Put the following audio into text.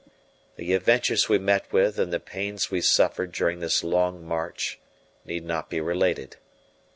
The adventures we met with and the pains we suffered during this long march need not be related.